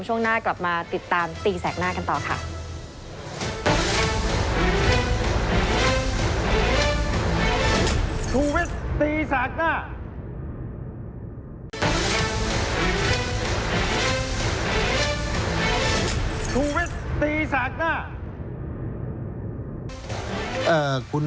ช่วงหน้ากลับมาติดตามตีแสกหน้ากันต่อค่ะ